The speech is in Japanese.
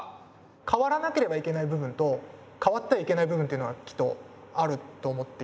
変わらなければいけない部分と変わってはいけない部分っていうのがきっとあると思っていて。